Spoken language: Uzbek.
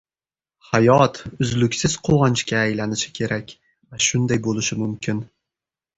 Hayot uzluksiz quvonchga aylanishi kerak va shunday bo‘lishi mumkin.